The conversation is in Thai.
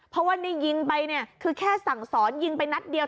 เพราะว่านี่ยิงไปเนี่ยคือแค่สั่งสอนยิงไปนัดเดียว